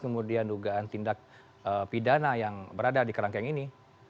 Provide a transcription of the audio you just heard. kemudian dugaan tindak pidana yang berada di kerangkeng ini